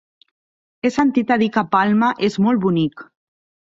He sentit a dir que Palma és molt bonic.